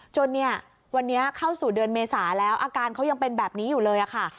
จนเนี่ยวันนี้เข้าสู่เดือนเมษาแล้วอาการเขายังเป็นแบบนี้อยู่เลยค่ะ